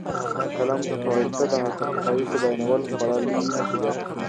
د قلم په واسطه د حقایقو بیانول خورا لوی مسوولیت دی.